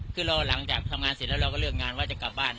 คือเราหลังจากทำงานเสร็จแล้วเราก็เลือกงานว่าจะกลับบ้าน